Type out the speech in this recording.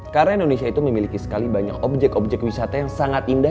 karena indonesia itu memiliki sekali banyak objek objek wisata yang sangat indah